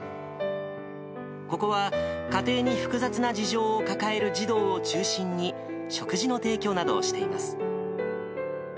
ここは、家庭に複雑な事情を抱える児童を中心に、食事の提供などをしています。